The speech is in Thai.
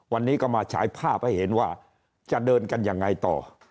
วันนี้ก็มาฉายภาพให้เห็นว่าจะเดินกันยังไงต่อ